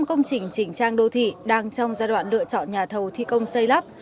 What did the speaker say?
năm công trình chỉnh trang đô thị đang trong giai đoạn lựa chọn nhà thầu thi công xây lắp